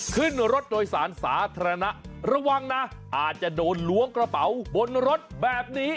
ขึ้นรถโดยสารสาธารณะระวังนะอาจจะโดนล้วงกระเป๋าบนรถแบบนี้